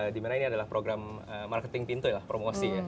dimana ini adalah program marketing pintu ya promosinya